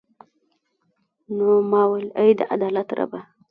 نو ما ویل ای د عدالت ربه.